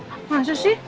gak usah sih